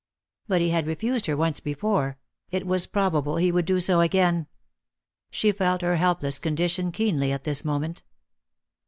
But he had refused her once before; it was probable he would do so again. She felt her helpless condition keenly at this moment.